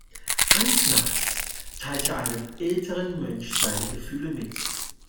Eines Nachts teilt er einem älteren Mönch seine Gefühle mit.